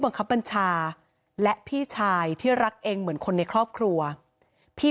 บังคับบัญชาและพี่ชายที่รักเองเหมือนคนในครอบครัวพี่